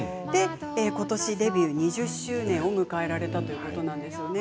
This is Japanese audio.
ことしデビュー２０周年を迎えられたということです。